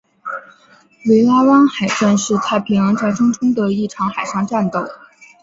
维拉湾海战是太平洋战争中的一场海上战斗。